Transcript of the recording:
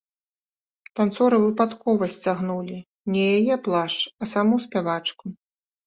Танцоры выпадкова сцягнулі не яе плашч, а саму спявачку.